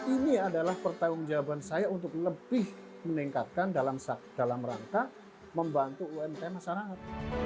ini adalah pertanggung jawaban saya untuk lebih meningkatkan dalam rangka membantu umkm masyarakat